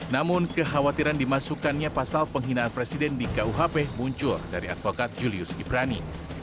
namun kekhawatiran dimasukkannya pasal penghinaan presiden di kuhp muncul dari advokat julius ibrani